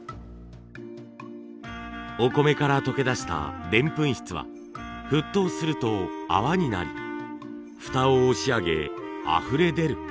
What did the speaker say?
お米から溶けだしたでんぷん質は沸騰すると泡になり蓋を押し上げあふれ出る。